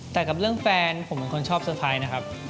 แต่กับเรื่องแฟนผมเป็นคนชอบสไฟล์นะครับ